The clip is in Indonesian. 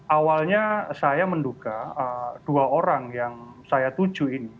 awalnya saya menduga dua orang yang saya tuju ini